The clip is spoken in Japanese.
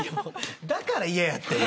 だから、嫌やってん。